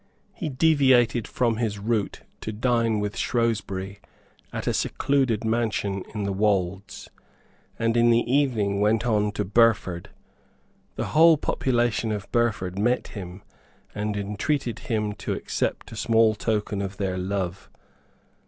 He deviated from his route to dine with Shrewsbury at a secluded mansion in the Wolds, and in the evening went on to Burford. The whole population of Burford met him, and entreated him to accept a small token of their love.